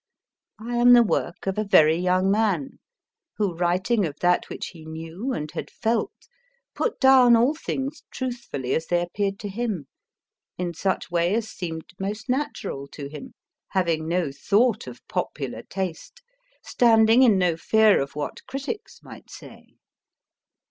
I am the work of a very young man, who, writing of that which he knew and had felt, put clown all things truthfully as they appeared to him, in such way as seemed most natural to him, having no thought of popular taste, standing in no fear of what critics might say.